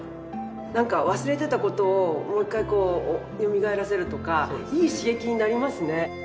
なんか忘れてた事をもう一回よみがえらせるとかいい刺激になりますね。